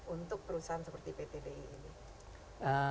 untuk perusahaan seperti pt di ini